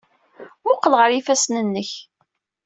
Mmuqqel ɣer yifassen-nnek.